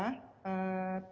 terkait dengan vaksinnya